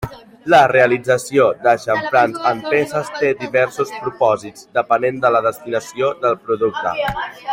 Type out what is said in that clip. La realització de xamfrans en peces té diversos propòsits, depenent de la destinació del producte.